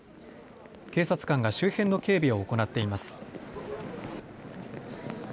警察官が周辺の警備を行っています。